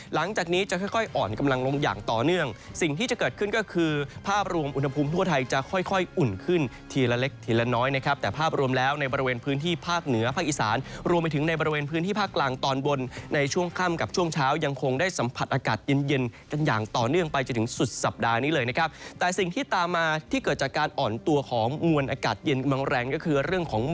หลังจากนี้จะค่อยอ่อนกำลังลมอย่างต่อเนื่องสิ่งที่จะเกิดขึ้นก็คือภาพรวมอุณหภูมิทั่วไทยจะค่อยอุ่นขึ้นทีละเล็กทีละน้อยนะครับแต่ภาพรวมแล้วในบริเวณพื้นที่ภาคเหนือภาคอีสานรวมไปถึงในบริเวณพื้นที่ภาคกลางตอนบนในช่วงค่ำกับช่วงเช้ายังคงได้สัมผัสอากาศเย็น